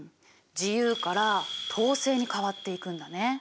自由から統制に変わっていくんだね。